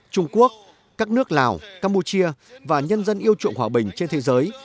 trung quốc các nước lào campuchia và nhân dân yêu chuộng hòa bình trên thế giới